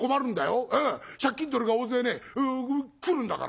借金取りが大勢ね来るんだから。